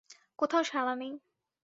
কোথাও সাড়া নেই।